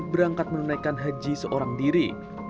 berangkat menunaikan haji seorang diri